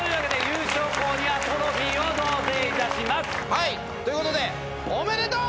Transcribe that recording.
はいということでおめでとう！